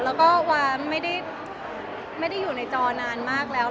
แล้วก็วาไม่ได้อยู่ในจอนานมากแล้ว